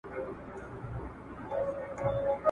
آیا ستاسو ښوونکی تاسو ته د پوښتنې وخت ورکوي؟